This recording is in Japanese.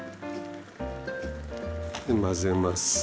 で混ぜます。